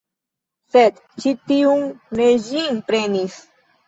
Sed ĉi tiu ne ĝin prenis.